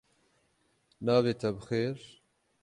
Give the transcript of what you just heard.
Navê te bi xêr?